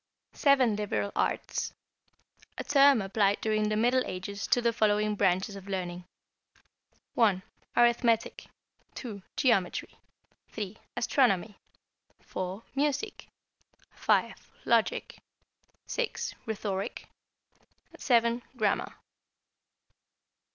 =Seven Liberal Arts.= A term applied during the Middle Ages to the following branches of learning: (1) Arithmetic, (2) Geometry, (3) Astronomy, (4) Music, (5) Logic, (6) Rhetoric, (7) Grammar.